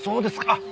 あっ！